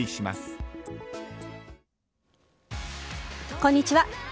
こんにちは。